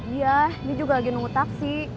iya dia juga lagi nunggu taksi